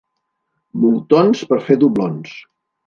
Moltons, per fer doblons.